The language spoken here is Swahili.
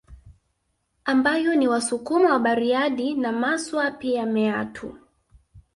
Ambayo ni Wasukuma wa Bariadi na Maswa pia Meatu